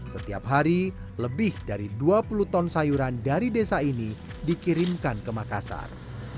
setiap hari lebih dari dua puluh ton sayuran dari desa ini dikirimkan ke makassar